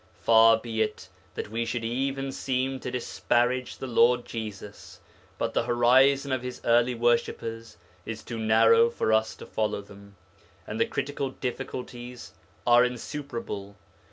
Far be it that we should even seem to disparage the Lord Jesus, but the horizon of His early worshippers is too narrow for us to follow them, and the critical difficulties are insuperable.